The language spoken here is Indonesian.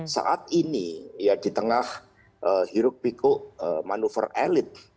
saat ini ya di tengah hiruk pikuk manuver elit